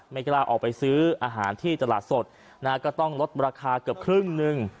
ไม่กล้าออกไปซื้ออาหารที่ตลาดสดนะฮะก็ต้องลดราคาเกือบครึ่งหนึ่ง